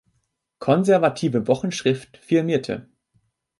Konservative Wochenschrift firmierte.